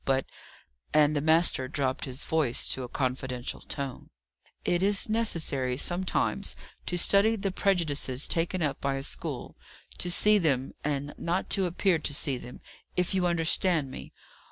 But," and the master dropped his voice to a confidential tone, "it is necessary sometimes to study the prejudices taken up by a school; to see them, and not to appear to see them if you understand me.